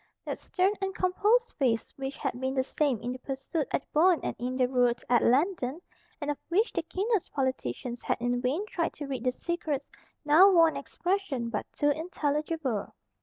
That stern and composed face which had been the same in the pursuit at the Boyne and in the rout at Landen, and of which the keenest politicians had in vain tried to read the secrets, now wore an expression but too intelligible.